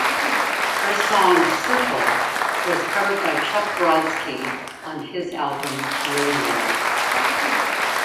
Her song "Circle" was covered by Chuck Brodsky on his album "Radio".